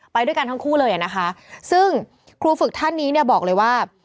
ไปด้วยกันทั้งคู่เลยอ่ะนะคะซึ่งครูฝึกท่านนี้เนี่ยบอกเลยว่า